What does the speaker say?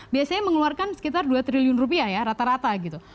biasanya mengeluarkan sekitar dua triliun rupiah ya rata rata gitu